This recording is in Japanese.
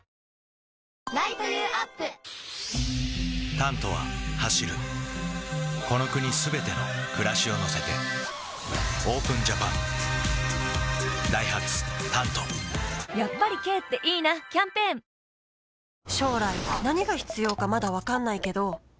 「タント」は走るこの国すべての暮らしを乗せてＯＰＥＮＪＡＰＡＮダイハツ「タント」やっぱり軽っていいなキャンペーン大丈夫ですか？